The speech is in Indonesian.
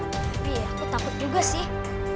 tapi aku takut juga sih